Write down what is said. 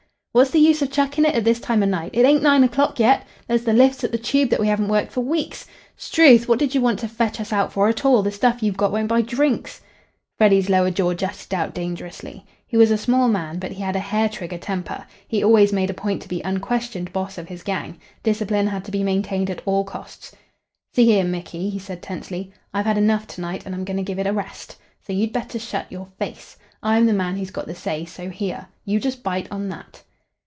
"What's the use of chucking it at this time o' night? It ain't nine o'clock yet. There's the lifts at the Tube that we haven't worked for weeks. 'Struth; what did you want to fetch us out for at all? The stuff you've got won't buy drinks." Freddy's lower jaw jutted out dangerously. He was a small man, but he had a hair trigger temper. He always made a point to be unquestioned boss of his gang. Discipline had to be maintained at all costs. "See here, Micky," he said tensely. "I've had enough to night, and I'm going to give it a rest. So you'd better shut your face. I'm the man who's got the say, so here. You just bite on that."